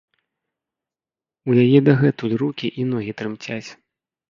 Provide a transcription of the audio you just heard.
У яе дагэтуль рукі і ногі трымцяць.